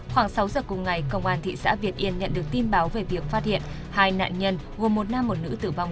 khoảng sáu giờ cùng ngày công an thị xã việt yên nhận được tin báo về việc phát hiện hai nạn nhân gồm một nam một nữ tử vong